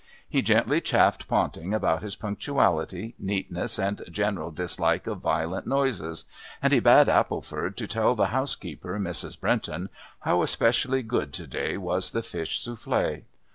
He gently chaffed Ponting about his punctuality, neatness and general dislike of violent noises, and he bade Appleford to tell the housekeeper, Mrs. Brenton, how especially good to day was the fish soufflé.